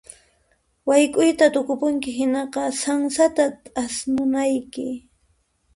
Wayk'uyta tukupunki hinaqa sansata thasnunayki.